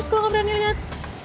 gue gak berani liat